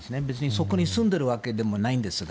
そこに住んでいるわけでもないんですが。